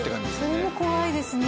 それも怖いですね。